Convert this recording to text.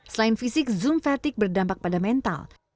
selain fisik zoom fatigue berdampak pada mental